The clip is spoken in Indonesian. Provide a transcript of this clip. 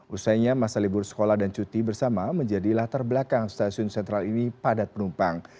usainya masa libur sekolah dan cuti bersama menjadi latar belakang stasiun sentral ini padat penumpang